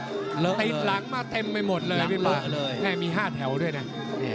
ติดหลังมาเต็มไปหมดเลยมี๕แถวด้วยน่ะ